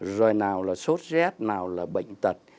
rồi nào là sốt rét nào là bệnh tật